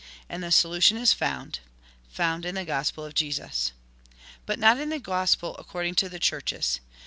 And the solution is found — found in the Gospel of Jesus. But not in the Gospel according to the Churches.